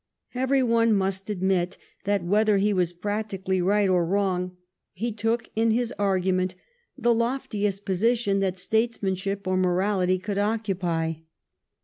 Every one must admit that, whether he was practically right or wrong, he took in his argument the loftiest posi tion that statesmanship or morality could occupy.